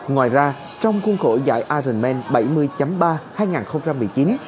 ngoài ra trong khuôn khổ giải ironman bảy mươi ba